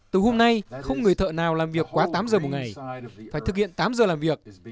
từ hôm nay không người thợ nào làm việc quá tám giờ một ngày phải thực hiện tám giờ làm việc